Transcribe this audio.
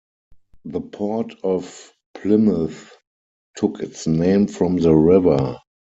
The port of Plymouth took its name from the river.